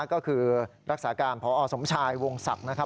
ก็คือรักษาการพอสมชายวงศักดิ์